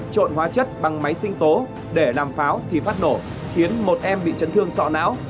chất bằng máy sinh tố để làm pháo thì phát nổ khiến một em bị chấn thương sọ não